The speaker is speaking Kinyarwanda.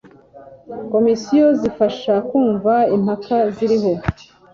komisiyo zifasha kumva impaka ziriho